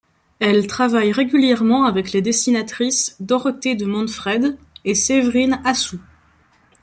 Elle travaille régulièrement avec les dessinatrices Dorothée de Monfreid et Séverine Assous.